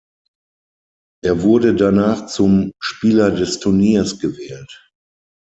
Er wurde danach zum „Spieler des Turniers“ gewählt.